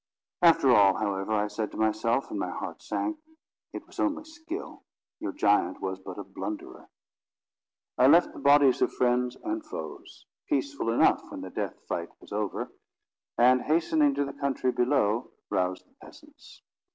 "After all, however," I said to myself, and my heart sank, "it was only skill. Your giant was but a blunderer." I left the bodies of friends and foes, peaceful enough when the death fight was over, and, hastening to the country below, roused the peasants.